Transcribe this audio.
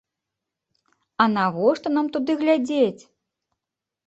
А навошта нам туды глядзець?!